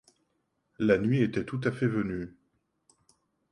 La nuit était tout à fait venue